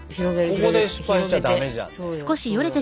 ここで失敗しちゃダメじゃんね。